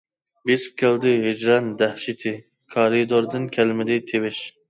بېسىپ كەلدى ھىجران دەھشىتى، كارىدوردىن كەلمىدى تىۋىش.